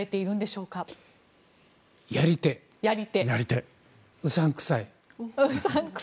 うさんくさい。